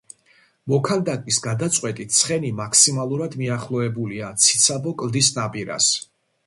მოქანდაკის გადაწყვეტით ცხენი მაქსიმალურად მიახლოებულია ციცაბო კლდის ნაპირს.